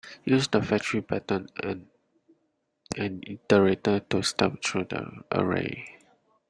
Use the factory pattern and an iterator to step through the array.